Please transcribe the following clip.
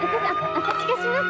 私がします。